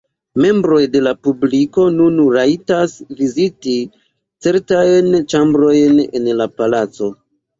Membroj de la publiko nun rajtas viziti certajn ĉambrojn en la palaco.